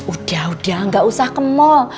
udah udah gak usah ke mall